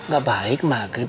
gak baik maghrib